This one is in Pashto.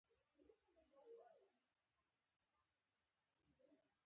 مولدین مجبور دي حد اقل مزد ورکړي.